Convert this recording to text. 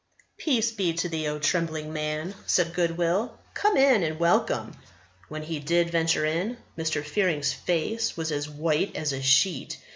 "Peace be to thee, O trembling man!" said Goodwill. "Come in, and welcome!" When he did venture in, Mr. Fearing's face was as white as a sheet.